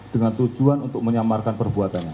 dengan tujuan untuk menyamarkan perbuatannya